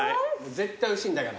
絶対おいしいんだから。